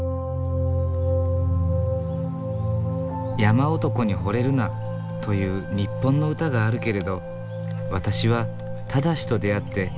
「山男に惚れるな」という日本の歌があるけれど「私は正と出会って本当に幸せ」。